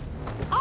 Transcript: あ。